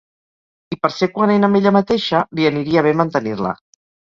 I per ser coherent amb ella mateixa, li aniria bé mantenir-la.